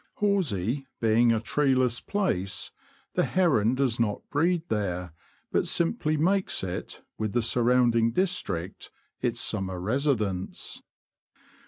Horsey being a treeless place, the heron does not breed there, but simply makes it, with the surrounding district, its summer residence.